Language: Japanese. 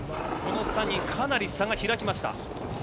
この３人かなり差が開きました。